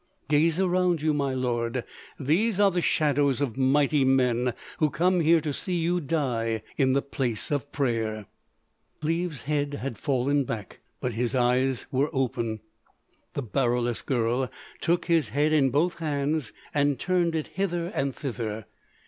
Gaze around you, my lord. These are the shadows of mighty men who come here to see you die in the Place of Prayer." Cleves's head had fallen back, but his eyes were open. The Baroulass girl took his head in both hands and turned it hither and thither.